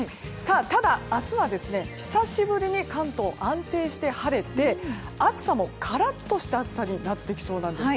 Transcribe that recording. ただ、明日は久しぶりに関東は安定して晴れて暑さもカラッとした暑さになってきそうなんです。